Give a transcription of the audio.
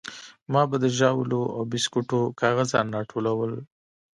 ما به د ژاولو او بيسکوټو کاغذان راټولول.